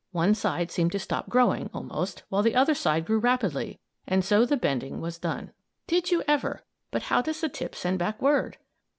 One side seemed to stop growing, almost, while the other side grew rapidly and so the bending was done. "Did you ever! But how does the tip send back word?"